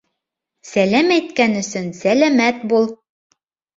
Сәләм әйткән өсөн сәләмәт бул.